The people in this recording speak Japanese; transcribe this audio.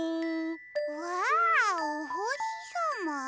うわおほしさま。